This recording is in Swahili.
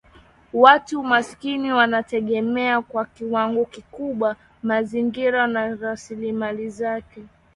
Watu maskini wanategemea kwa kiwango kikubwa Mazingira na rasilimali zake